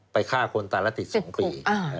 ไปฆ่าคนตาละติดสองปี